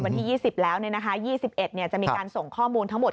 วันที่๒๐แล้ว๒๑จะมีการส่งข้อมูลทั้งหมด